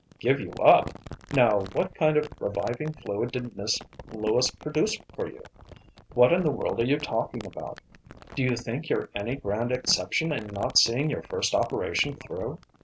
"Give you up! Now what kind of reviving fluid did Miss Lewis produce for you? What in the world are you talking about? Do you think you're any grand exception in not seeing your first operation through?